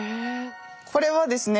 これはですね